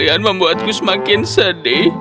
kau membuatku semakin sedih